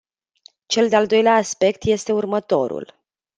Cel de-al doilea aspect este următorul.